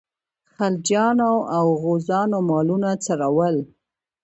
خلجیانو او غوزانو مالونه څرول.